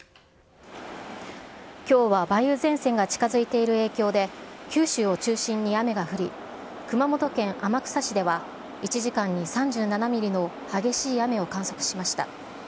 きょうは梅雨前線が近づいている影響で、九州を中心に雨が降り、熊本県天草市では、１時間に３７ミリの激しい雨を観測しました。